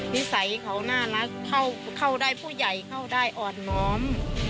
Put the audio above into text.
นิสัยเขาน่ารักเข้าได้ผู้ใหญ่เข้าได้อ่อนน้อม